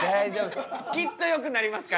きっとよくなりますから。